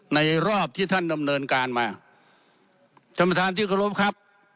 ในรอบที่ท่านดำเนินการมาสมธารที่ขอรับครับ